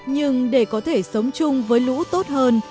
nhưng để có thể sống chung với lũ tốt hơn